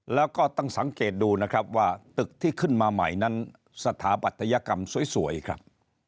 แล้วก็ตั้งสังเกตดูนะครับว่าตึกที่ขึ้นมาใหม่นั้นสถาปัตยกรรมสวยครับ